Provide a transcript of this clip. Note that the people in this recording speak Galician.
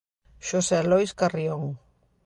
Xosé Lois Carrión.